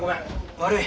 悪い。